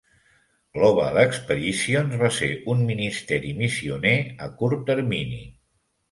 Global Expeditions va ser un ministeri missioner a curt termini.